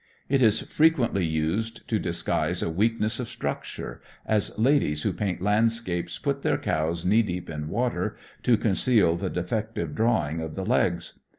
It is frequently used to disguise a weakness of structure, as ladies who paint landscapes put their cows knee deep in water to conceal the defective drawing of the legs.